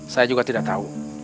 saya juga tidak tahu